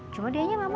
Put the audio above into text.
cuma dia aja mama